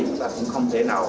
chúng ta cũng không thể nào